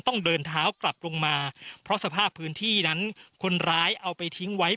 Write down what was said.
ต้องเดินเท้ากลับลงมาเพราะสภาพพื้นที่นั้นคนร้ายเอาไปทิ้งไว้